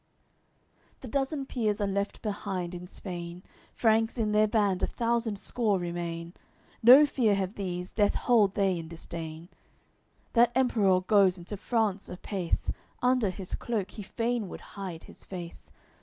AOI. LXVII The dozen peers are left behind in Spain, Franks in their band a thousand score remain, No fear have these, death hold they in disdain. That Emperour goes into France apace; Under his cloke he fain would hide his face.